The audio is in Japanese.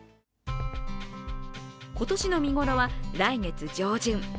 今年の見頃は来月上旬。